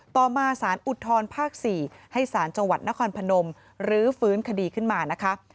ต่อมาสารอุทธรภาค๔ให้สารจังหวัดนครพนมรื้อฟื้นคดีขึ้นมานะคะ